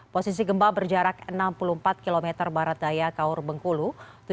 posisi gempa berjarak enam puluh empat km barat daya kaur bengkulu